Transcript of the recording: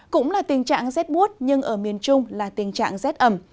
cũng là tình trạng rét buốt nhưng ở miền trung là tình trạng rét ẩm